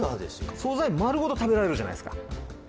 素材丸ごと食べられるじゃないですか。